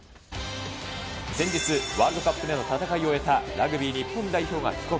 先日、ワールドカップでの戦いを終えたラグビー日本代表が帰国。